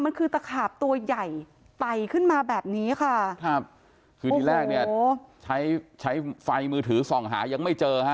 มันคือตะขาบตัวใหญ่ไต่ขึ้นมาแบบนี้ค่ะครับคือที่แรกเนี่ยใช้ใช้ไฟมือถือส่องหายังไม่เจอฮะ